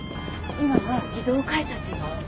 今は自動改札よ。